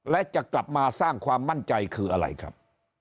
และจะกลับมาสร้างความมั่นใจคืออะไรครับ